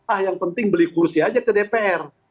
ah yang penting beli kursi aja ke dpr